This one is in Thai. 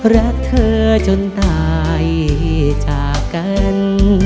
รักเธอจนตายจากกัน